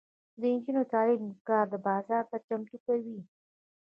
د نجونو تعلیم د کار بازار ته چمتو کوي.